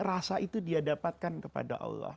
rasa itu dia dapatkan kepada allah